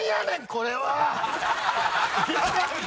これは！